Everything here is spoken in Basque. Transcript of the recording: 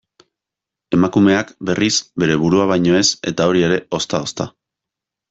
Emakumeak, berriz, bere burua baino ez, eta hori ere ozta-ozta.